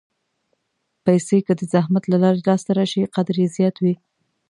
پېسې که د زحمت له لارې لاسته راشي، قدر یې زیات وي.